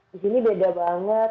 di sini beda banget